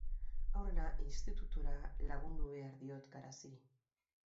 Aurrena institutura lagundu behar diot Garaziri.